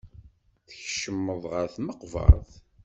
Tkeccmeḍ ɣer tmeqbert.